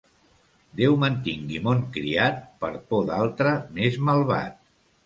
Déu mantingui mon criat per por d'altre més malvat.